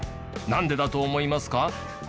なんでだと思いますか？